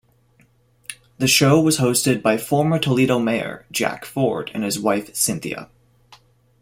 The show was hosted by former Toledo mayor Jack Ford and his wife Cynthia.